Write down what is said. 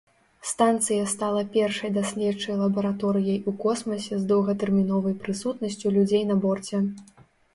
Станцыя стала першай даследчай лабараторыяй у космасе з доўгатэрміновай прысутнасцю людзей на борце.